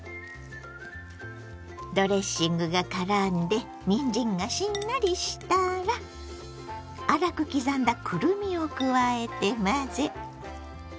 ドレッシングがからんでにんじんがしんなりしたら粗く刻んだくるみを加えて混ぜ。